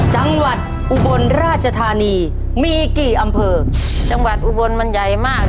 จังหวัดอุบลราชธานีมีกี่อำเภอจังหวัดอุบลมันใหญ่มาก